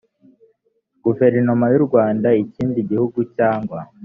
guverinoma y u rwanda ikindi gihugu cyangwa